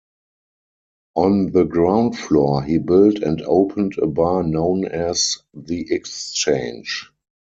On the ground floor he built and opened a bar known as The Exchange.